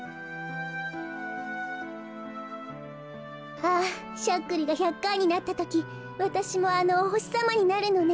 あぁしゃっくりが１００かいになったときわたしもあのおほしさまになるのね。